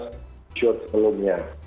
stock shoot sebelumnya